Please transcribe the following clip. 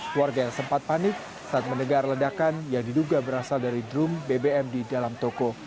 keluarga yang sempat panik saat mendengar ledakan yang diduga berasal dari drum bbm di dalam toko